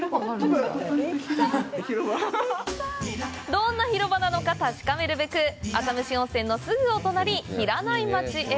どんな広場なのか確かめるべく浅虫温泉のすぐお隣り平内町へ！